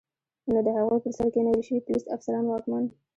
نو د هغوی پر سر کینول شوي پولیس، افسران، واکمن